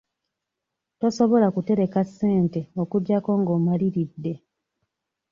Tosobola kutereka ssente okuggyako nga omaliridde.